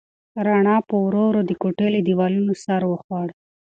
رڼا په ورو ورو د کوټې له دیوالونو سر وخوړ.